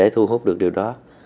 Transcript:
để thu hút được điều đó